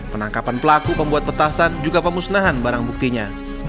penangkapan pelaku pembuat petasan juga pemusnahan barang buktinya